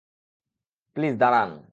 Please, দাঁড়ান।